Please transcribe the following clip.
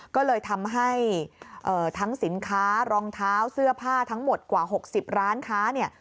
ก็เลยทำให้ทั้งสินค้ารองเท้าเสื้อผ้าทั้งหมดกว่า๖๐ร้านค้าเนี่ย